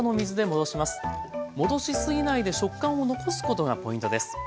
戻し過ぎないで食感を残すことがポイントです。